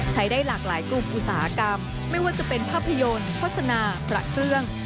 ใช้ได้หลากหลายกลุ่มอุตสาหกรรมไม่ว่าจะเป็นภาพยนตร์โฆษณาพระเครื่อง